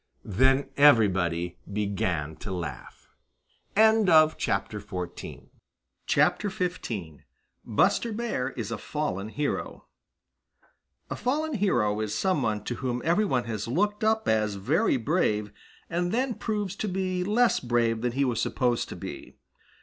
Then everybody began to laugh. XV BUSTER BEAR IS A FALLEN HERO A fallen hero is some one to whom every one has looked up as very brave and then proves to be less brave than he was supposed to be.